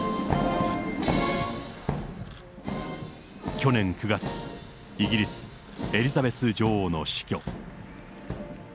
去年９月、イギリス、エリザベス女王の死去。